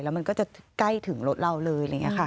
มันก็จะใกล้ถึงรถเราเลยอะไรอย่างนี้ค่ะ